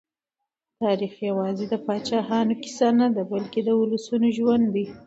تاریخ یوازې د پاچاهانو کیسه نه، بلکې د ولسونو ژوند دی.